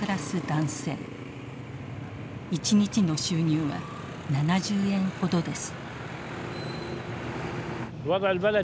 一日の収入は７０円ほどです。